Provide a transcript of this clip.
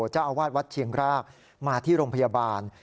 เจ้าอาวาสวัดเชียงรากมาที่โรงพยาบาล